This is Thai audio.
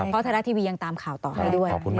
เพราะไทยรัฐทีวียังตามข่าวต่อให้ด้วย